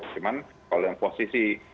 cuman kalau yang posisi